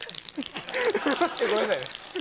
ごめんなさい。